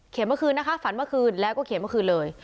เมื่อคืนนะคะฝันเมื่อคืนแล้วก็เขียนเมื่อคืนเลย